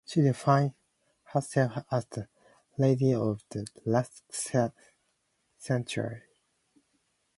She defined herself as the "lady of the last century".